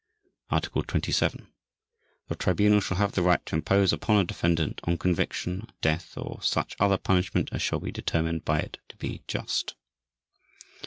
Article 27. The Tribunal shall have the right to impose upon a defendant on conviction, death or such other punishment as shall be determined by it to be just.